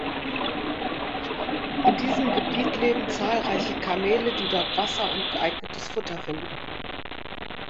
In diesem Gebiet leben zahlreiche Kamele, die dort Wasser und geeignetes Futter finden.